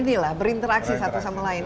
dan juga cara kita berinteraksi satu sama lain